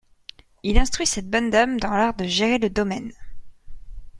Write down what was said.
Il instruit cette bonne dame dans l'art de gérer le domaine.